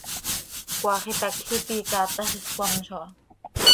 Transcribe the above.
Cmaax itacl ipi icaatax iscmamzo aha.